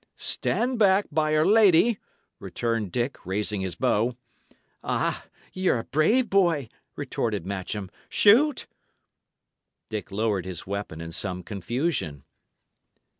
"Stand back, by 'r Lady!" returned Dick, raising his bow. "Ah, y' are a brave boy!" retorted Matcham. "Shoot!" Dick lowered his weapon in some confusion.